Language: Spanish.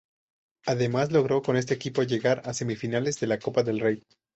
Además logró con este equipo llegar a semifinales de la Copa del Rey.